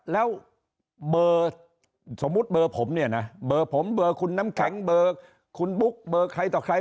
แล้วเบอร์สมมุติเบอร์ผมเนี่ยนะเบอร์ผมเบอร์คุณน้ำแข็งเบอร์คุณบุ๊กเบอร์ใครต่อใคร